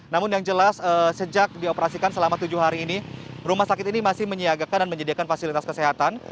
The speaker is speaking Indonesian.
namun yang jelas sejak dioperasikan selama tujuh hari ini rumah sakit ini masih menyiagakan dan menyediakan fasilitas kesehatan